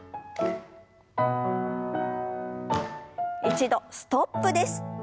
一度ストップです。